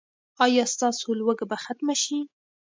ایا ستاسو لوږه به ختمه شي؟